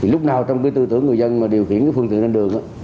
lúc nào trong tư tưởng người dân điều khiển phương tiện lên đường